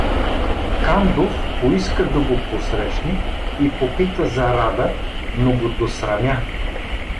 Кандов поиска да го посрещне и попита за Рада, но го досрамя.